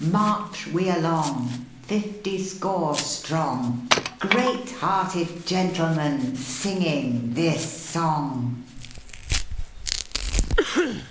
(Chorus) March we along, fifty score strong, Great hearted gentlemen, singing this song!"